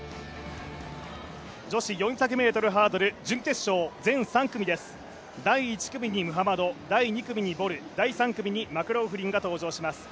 女子４００ｍハードル準決勝、全３組です、第１組にムハマド、第２組にボル、第３組にマクローフリンが登場します。